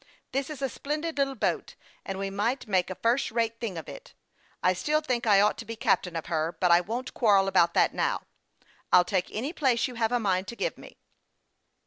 " This is a splendid little boat, and we might make a first rate thing of it. I still think I ought to be captain of her ; but I won't quarrel about that now. I'll take any place you have a mind to give me."